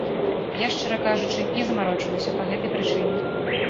Я, шчыра кажучы, не замарочваюся па гэтай прычыне.